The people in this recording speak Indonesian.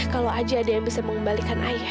kalau aja ada yang bisa mengembalikan ayah